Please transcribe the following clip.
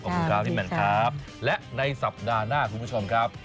ขอบคุณครับพี่แมนครับและในสัปดาห์หน้าคุณผู้ชมครับ